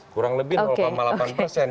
kurang lebih delapan persen